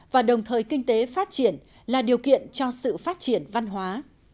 và đồng thời kinh tế phát triển là điều kiện cho sự phát triển văn hóa